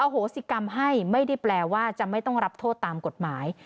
โหสิกรรมให้ไม่ได้แปลว่าจะไม่ต้องรับโทษตามกฎหมาย